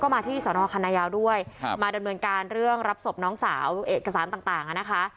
มาที่สนคันนายาวด้วยมาดำเนินการเรื่องรับศพน้องสาวเอกสารต่างอ่ะนะคะ